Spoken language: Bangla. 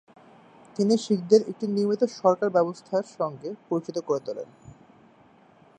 তিনি শিখদের একটি নিয়মিত সরকার ব্যবস্থার সঙ্গে পরিচিত করে তোলেন।